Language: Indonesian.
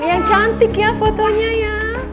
yang cantik ya fotonya ya